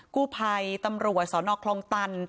กู้ภัยตำรวจสนคลองตัน